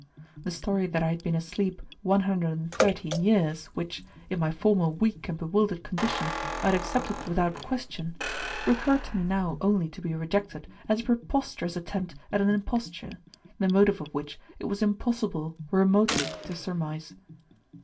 The story that I had been asleep one hundred and thirteen years, which, in my former weak and bewildered condition, I had accepted without question, recurred to me now only to be rejected as a preposterous attempt at an imposture, the motive of which it was impossible remotely to surmise.